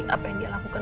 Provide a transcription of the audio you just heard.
apa yang dia lakukan